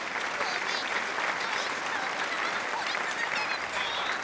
オメェたちの肩は一生このままこり続けるんだよ！